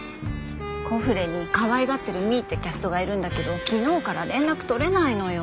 コフレにかわいがってる美依ってキャストがいるんだけど昨日から連絡取れないのよ。